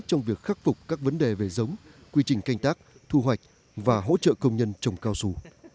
trong việc khắc phục các vấn đề về giống quy trình canh tác thu hoạch và hỗ trợ công nhân trồng cao su